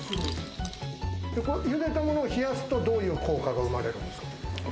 ゆでたものを冷やすと、どういう効果が生まれるんですか？